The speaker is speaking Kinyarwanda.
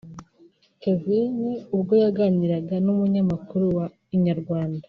Kevin ubwo yaganiraga n’umunyamakuru wa Inyarwanda